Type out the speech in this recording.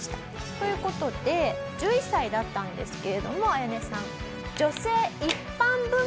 という事で１１歳だったんですけれどもアヤネさん。